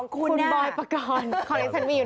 คุณบอยประกอร์น